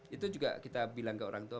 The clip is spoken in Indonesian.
itu juga kita bilang ke orang tua